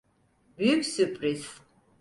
Büyük sürpriz.